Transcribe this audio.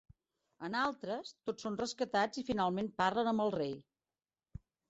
En altres, tots són rescatats i finalment parlen amb el Rei.